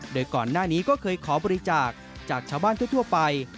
โดยก่อนหน้านี้ก็เคยขอบริจาคจากชาวบ้านทั่วไป